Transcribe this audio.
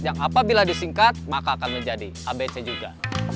yang apabila disingkat maka akan menjadi abc juga